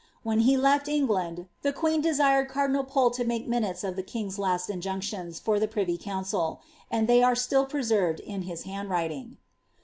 When he left England, the queen desired cardinal Pole to make minutes of the king's last injunctions for the privy council; and they are still preserved in his hand writing.'